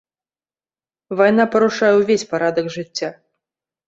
Вайна парушае ўвесь парадак жыцця.